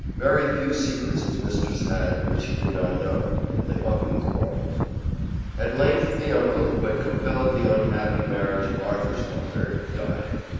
Very few secrets his mistress had which he did not know, and they often quarreled. At length the uncle, who had compelled the unhappy marriage of Arthur's father, died.